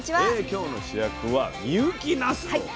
今日の主役は深雪なすと。